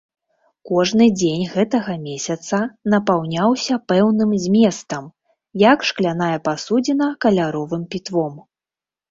Кожны дзень гэтага месяца напаўняўся пэўным зместам, як шкляная пасудзіна каляровым пітвом.